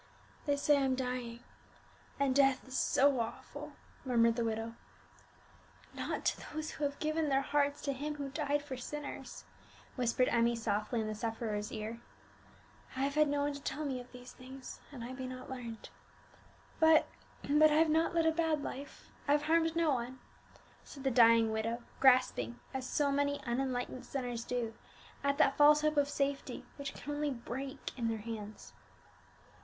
"They say I'm dying and death is so awful!" murmured the widow. "Not to those who have given their hearts to Him who died for sinners!" whispered Emmie softly in the sufferer's ear. "I've had no one to tell me of these things, and I be not learned. But but I've not led a bad life; I've harmed no one," said the dying widow, grasping, as so many unenlightened sinners do, at that false hope of safety which can only break in their hands.